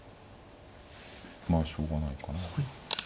まあしょうがないかな。